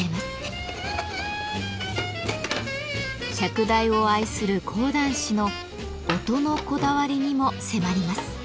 釈台を愛する講談師の音のこだわりにも迫ります。